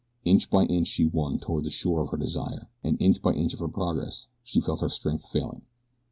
Inch by inch she won toward the shore of her desire, and inch by inch of her progress she felt her strength failing.